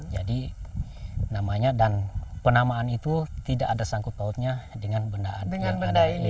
jadi namanya dan penamaan itu tidak ada sangkut pautnya dengan benda ini